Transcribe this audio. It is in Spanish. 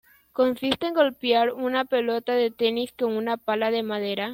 Consiste en golpear una pelota de tenis con una pala de madera.